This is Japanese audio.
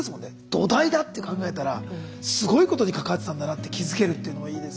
土台だって考えたらすごいことに関わってたんだなって気づけるっていうのがいいですけど。